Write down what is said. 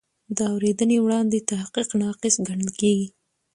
د اورېدنې وړاندې تحقیق ناقص ګڼل کېږي.